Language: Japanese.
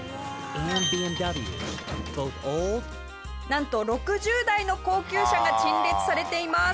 なんと６０台の高級車が陳列されています。